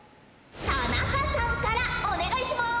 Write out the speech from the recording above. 田中さんからお願いします。